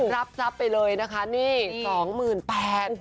รับทรัพย์ไปเลยนะคะนี่๒๘๐๐บาท